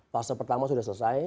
fase pertama sudah selesai